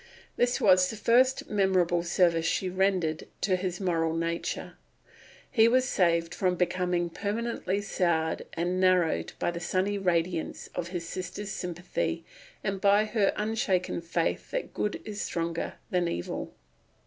This was the first memorable service she rendered to his moral nature. He was saved from becoming permanently soured and narrowed by the sunny radiance of his sister's sympathy and by her unshaken faith that good is stronger than evil.